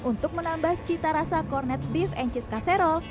untuk menambah cita rasa kornet beef and cheese caserol